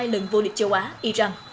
một mươi hai lần vô lịch châu á iran